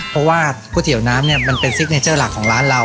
เพราะว่าก๋วยเตี๋ยวน้ำเนี่ยมันเป็นซิกเนเจอร์หลักของร้านเรา